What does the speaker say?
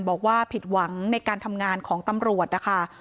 บอกว่าผิดหวังในการทำงานของตำรวจนะคะ